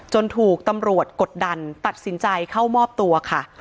ถูกตำรวจกดดันตัดสินใจเข้ามอบตัวค่ะ